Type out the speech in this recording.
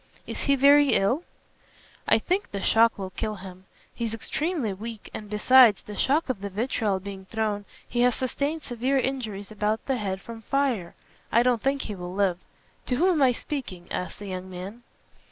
"Is he very ill?" "I think the shock will kill him. He is extremely weak, and besides the shock of the vitriol being thrown, he has sustained severe injuries about the head from fire. I don't think he will live. To whom am I speaking?" asked the young man.